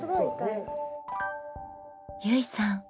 ゆいさん